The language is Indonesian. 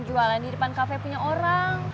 jualan di depan kafe punya orang